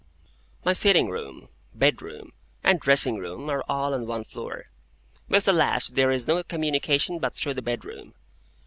My sitting room, bedroom, and dressing room, are all on one floor. With the last there is no communication but through the bedroom.